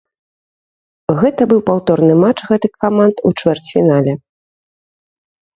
Гэта быў паўторны матч гэтых каманд у чвэрцьфінале.